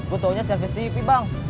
gue taunya servis tv bang